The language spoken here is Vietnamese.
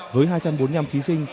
với hai trăm bốn mươi năm thí sinh